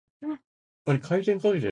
がががががが